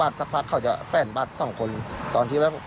เราก็